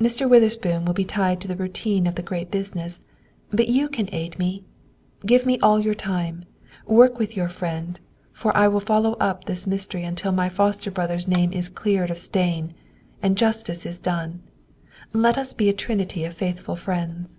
"Mr. Witherspoon will be tied to the routine of the great business; but you can aid me. Give me all your time, work with your friend, for I will follow up this mystery until my foster brother's name is cleared of stain, and justice is done. Let us be a trinity of faithful friends."